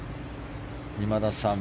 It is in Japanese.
今田さん